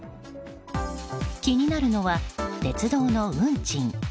気になるのは鉄道の運賃。